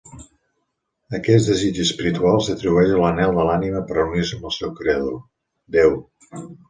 Aquest desig espiritual s'atribueix a l'anhel de l'ànima per reunir-se amb el seu creador, déu.